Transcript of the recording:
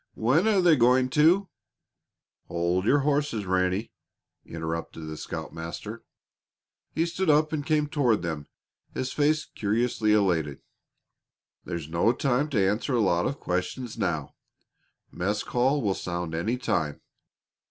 When are they going to " "Hold your horses, Ranny," interrupted the scoutmaster. He stood up and came toward them, his face curiously elated. "There's no time to answer a lot of questions now. Mess call will sound any time.